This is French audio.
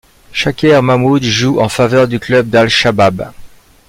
Shaker Mahmoud joue en faveur du club d'Al Shabab.